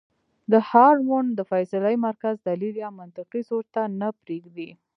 دا هارمون د فېصلې مرکز دليل يا منطقي سوچ ته نۀ پرېږدي -